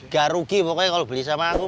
gak rugi pokoknya kalau beli sama aku